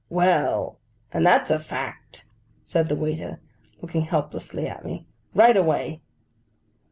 'Well! and that's a fact!' said the waiter, looking helplessly at me: 'Right away.